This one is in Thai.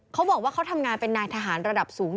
เขาบอกว่าเขาทำงานเป็นนายทหารระดับสูง